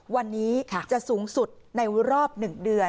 วันนี้จะสูงสุดในรอบ๑เดือน